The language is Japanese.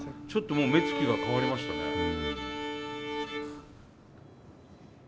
ちょっともう目つきが変わりましたね。